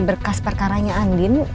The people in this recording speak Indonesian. berkas perkaranya andin